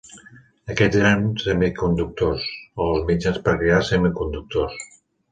Aquests eren semiconductors o els mitjans per crear semiconductors.